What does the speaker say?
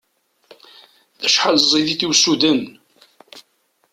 Acḥal ẓid-it i usuden!